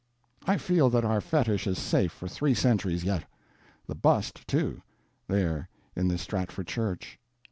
I feel that our fetish is safe for three centuries yet. The bust, too—there in the Stratford Church.